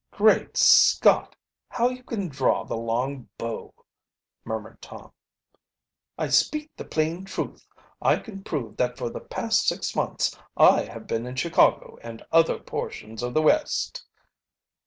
"Great Scott! how you can draw the long bow!" murmured Tom. "I speak the plain truth. I can prove that for the past six months I have been in Chicago and other portions of the West.